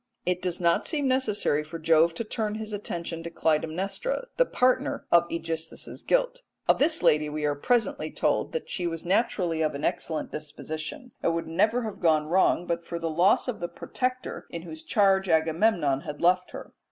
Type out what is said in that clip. It does not seem necessary for Jove to turn his attention to Clytemnestra, the partner of AEgisthus's guilt. Of this lady we are presently told that she was naturally of an excellent disposition, and would never have gone wrong but for the loss of the protector in whose charge Agamemnon had left her.